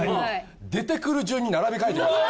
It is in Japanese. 出てくる順に並べ替えてください。